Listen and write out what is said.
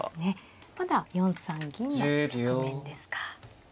まだ４三銀の局面ですか。